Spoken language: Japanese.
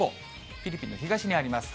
フィリピンの東にあります。